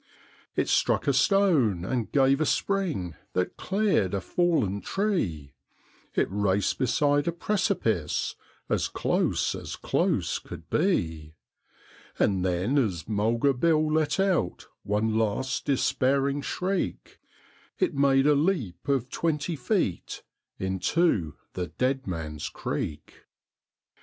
It struck a stone and gave a spring that cleared a fallen tree, It raced beside a precipice as close as close could be; And then as Mulga Bill let out one last despairing shriek It made a leap of twenty feet into the Dead Man's Creek.